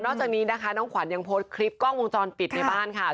จากนี้นะคะน้องขวัญยังโพสต์คลิปกล้องวงจรปิดในบ้านค่ะ